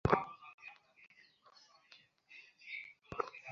তাই এতদিন বেঁচে আছি।